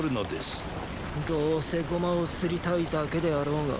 どうせゴマをすりたいだけであろうが。